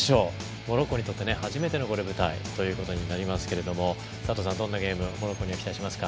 モロッコにとって初めての舞台ということになりますけど佐藤さん、どんなゲームをモロッコに期待しますか？